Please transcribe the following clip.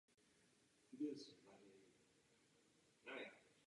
Mimo Lotyšsko působil na Ukrajině.